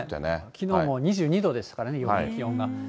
きのうも２２度でしたからね、夜の気温が。